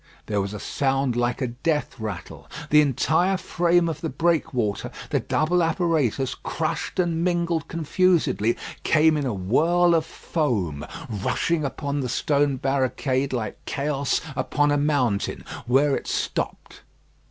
There was a sound like a death rattle. The entire frame of the breakwater, the double apparatus crushed and mingled confusedly, came in a whirl of foam, rushing upon the stone barricade like chaos upon a mountain, where it stopped.